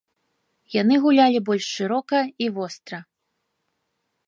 Яны гулялі больш шырока і востра.